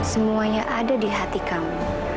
semuanya ada di hati kamu